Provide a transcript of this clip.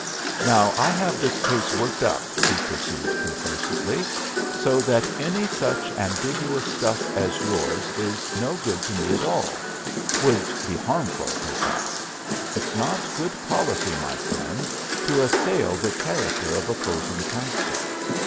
Now I have this case worked up," he pursued, complacently, "so that any such ambiguous stuff as yours is no good to me at all would be harmful, in fact. It's not good policy, my friend, to assail the character of opposing counsel.